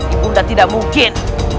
ibunda tidak mungkin